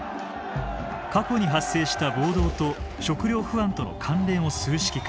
過去に発生した暴動と食料不安との関連を数式化。